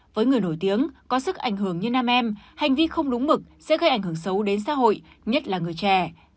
với người nổi tiếng có sức ảnh hưởng như nam em hành vi không đúng mực sẽ gây ảnh hưởng xấu đến xã hội nhất là người trẻ